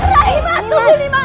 rai mas tunggu nih mas